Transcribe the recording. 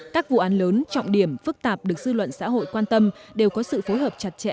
các vụ án lớn trọng điểm phức tạp được dư luận xã hội quan tâm đều có sự phối hợp chặt chẽ